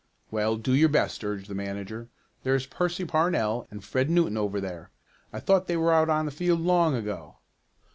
"Well, do your best," urged the manager. "There's Percy Parnell and Fred Newton over there. I thought they were out on the field long ago."